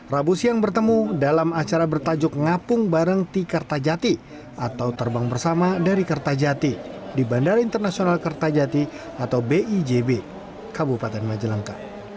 rabu siang bertemu dalam acara bertajuk ngapung bareng tikartajati atau terbang bersama dari kertajati di bandara internasional kertajati atau bijb kabupaten majalengka